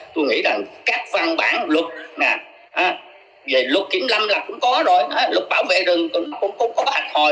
tôi nghĩ là các văn bản luật luật kiểm lăng là cũng có rồi luật bảo vệ rừng cũng có bác hội